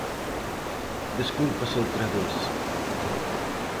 Desculpas outra vez.